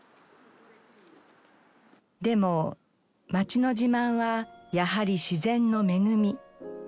でも街の自慢はやはり自然の恵み。